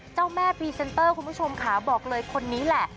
เจ้าแม่พรีเซนเตอร์คุณผู้ชมค่ะบอกเลยคนนี้แหละ